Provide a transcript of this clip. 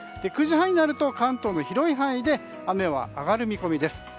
９時半になると関東の広い範囲で雨は上がる見込みです。